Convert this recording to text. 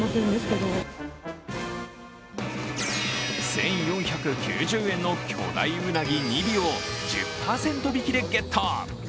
１４９０円の巨大うなぎ２尾を１０％引きでゲット。